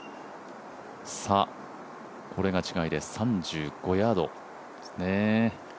これが違いで、３５ヤード。